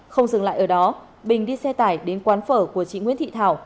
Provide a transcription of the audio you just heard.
không dừng lại ở đó bình đi xe tải đến quán phở của chị nguyễn thị thảo